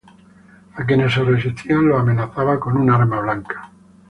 A quienes se resistían los amenazaba con un arma blanca.